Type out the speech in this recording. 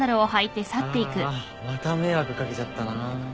ああまた迷惑掛けちゃったな。